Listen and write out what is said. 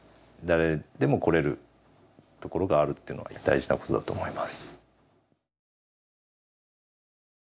誰でも来れるところがあるっていうのは大事なことだと思います。